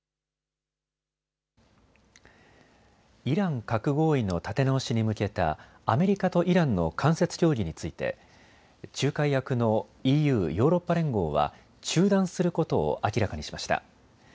イラン核合意の立て直しに向けたアメリカとイランの間接協議について仲介役のＥＵ・ヨーロッパ連合は中断することを明らかにしました。